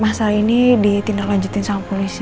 masalah ini ditindaklanjuti sama polisi